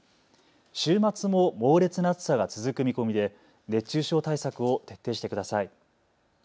週末も猛烈な暑さが続く見込みで熱中症対策を徹底してください。